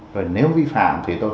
rồi nếu vi phạm thì tôi phải xử lý